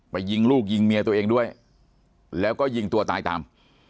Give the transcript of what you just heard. ยิงลูกยิงเมียตัวเองด้วยแล้วก็ยิงตัวตายตาม